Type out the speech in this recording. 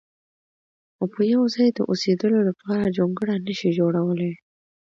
خو په یو ځای د اوسېدلو لپاره جونګړه نه شي جوړولی.